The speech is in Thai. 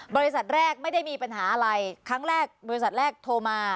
บริษัทแรกไม่ได้มีปัญหาอะไรครั้งแรกบริษัทแรกโทรมา